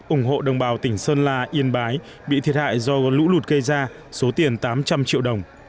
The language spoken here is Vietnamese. ủng hộ đồng bào tỉnh sơn la yên bái bị thiệt hại do lũ lụt gây ra số tiền tám trăm linh triệu đồng